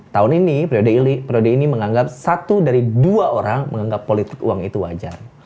tahun ini periode ini menganggap satu dari dua orang menganggap politik uang itu wajar